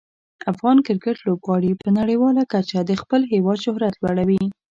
افغان کرکټ لوبغاړي په نړیواله کچه د خپل هیواد شهرت لوړوي.